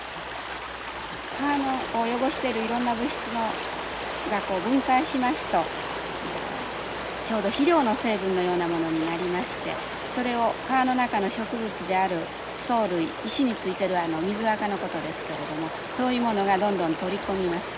川を汚してるいろんな物質が分解しますとちょうど肥料の成分のようなものになりましてそれを川の中の植物である藻類石についているあの水アカのことですけれどもそういうものがどんどん取り込みます。